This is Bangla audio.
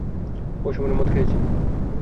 ও সমানে মদ খেয়েছে।